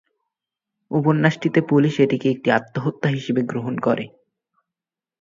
উপন্যাসটিতে police এটিকে একটি আত্মহত্যা হিসেবে গ্রহণ করে।